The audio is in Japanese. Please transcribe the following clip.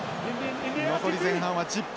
残り前半は１０分。